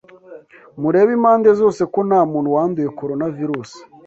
Murebe impande zose ko ntamuntu wanduye coronavirus?